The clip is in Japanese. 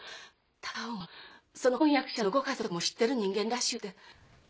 隆生もその婚約者のご家族も知ってる人間らしゅうて。